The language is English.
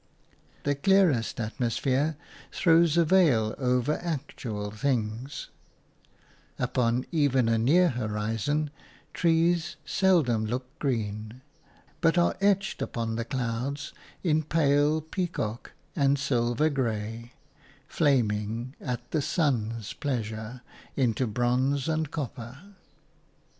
The clearest atmosphere throws a veil over actual things; upon even a near horizon trees seldom look green, but are etched upon the clouds in pale peacock and silver grey, flaming at the sun's pleasure, into bronze and copper.